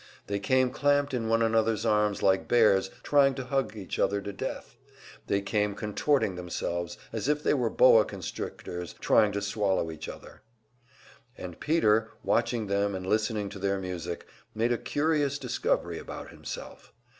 They came clamped in one another's arms like bears trying to hug each other to death; they came contorting themselves as if they were boa constrictors trying to swallow each other. And Peter, watching them and listening to their music, made a curious discovery about himself.